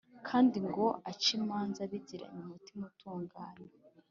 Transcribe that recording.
kandi ngo ace imanza abigiranye umutima utunganye,